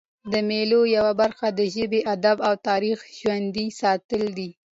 د مېلو یوه برخه د ژبي، ادب او تاریخ ژوندي ساتل دي.